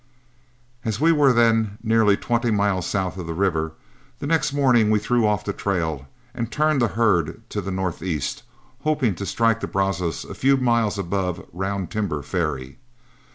As we were then nearly twenty miles south of the river, the next morning we threw off the trail and turned the herd to the northeast, hoping to strike the Brazos a few miles above Round Timber ferry.